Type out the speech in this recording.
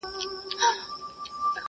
د خاوند ماشوم له وېري په ژړا سو.!